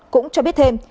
cũng cho biết thêm